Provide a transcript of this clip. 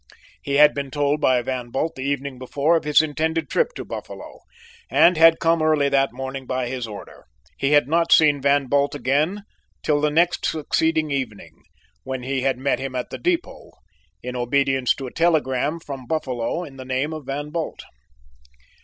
He had been told by Van Bult the evening before of his intended trip to Buffalo, and had come early that morning by his order. He had not seen Van Bult again till the next succeeding evening, when he had met him at the depot, in obedience to a telegram sent from Buffalo in the name of Van Bult.